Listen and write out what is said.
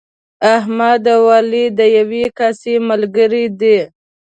احمد او علي د یوې کاسې ملګري دي.